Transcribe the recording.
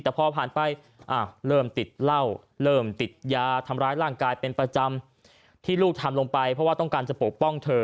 แต่พอผ่านไปเริ่มติดเหล้าเริ่มติดยาทำร้ายร่างกายเป็นประจำที่ลูกทำลงไปเพราะว่าต้องการจะปกป้องเธอ